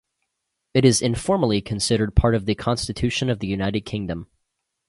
It is informally considered part of the constitution of the United Kingdom.